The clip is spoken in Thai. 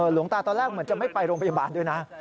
หลวงตาตอนแรกเหมือนจะไม่ไปโรงพยาบาลด้วยนะ